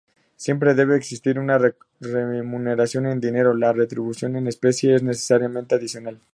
Siempre debe existir una remuneración en dinero, la retribución en especie es necesariamente adicional.